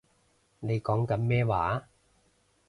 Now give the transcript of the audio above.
你講緊咩話